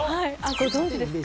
ご存じですか？